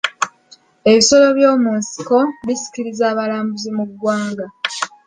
Ebisolo by'omu nsiko bisikiriza abalambuzi mu ggwanga